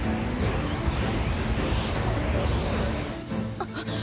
あっ！